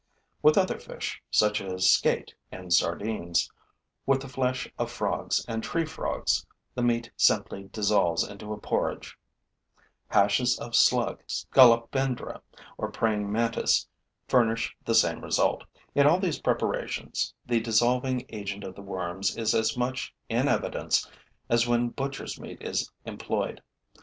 With other fish, such as skate and sardines, with the flesh of frogs and tree frogs, the meat simply dissolves into a porridge. Hashes of slug, Scolopendra or praying mantis furnish the same result. In all these preparations, the dissolving agent of the worms is as much in evidence as when butcher's meat is employed.